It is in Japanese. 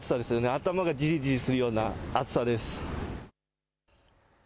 頭がじりじりするような暑さです。